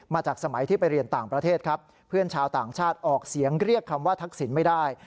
มาจากสมัยที่ไปเรียนต่างประเทศครับเพื่อนชาวต่างชาติออกเสียงเรียกคำว่าทักษิณไม่ได้